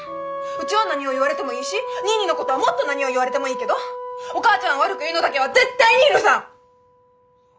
うちは何を言われてもいいしニーニーのことはもっと何を言われてもいいけどお母ちゃんを悪く言うのだけは絶対に許さん！